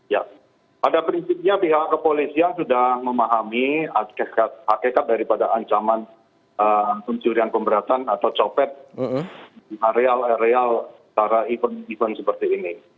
ya pada prinsipnya pihak kepolisian sudah memahami hakikat daripada ancaman pencurian pemberatan atau copet di areal areal event event seperti ini